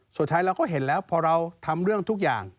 สุดท้ายเราก็เห็นแล้วพอเราทำเรื่องทุกอย่าง